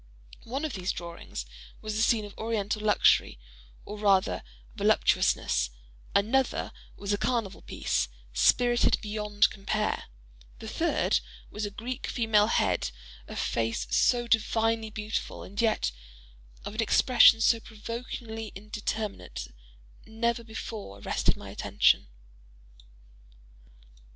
One of these drawings was a scene of Oriental luxury, or rather voluptuousness; another was a "carnival piece," spirited beyond compare; the third was a Greek female head—a face so divinely beautiful, and yet of an expression so provokingly indeterminate, never before arrested my attention.